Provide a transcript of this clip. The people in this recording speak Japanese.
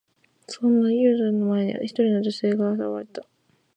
そんな中、ユウタの前に、一人の美しい女性が現れた。